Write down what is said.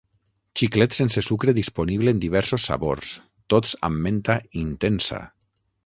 Xiclet sense sucre disponible en diversos sabors, tots amb menta "intensa".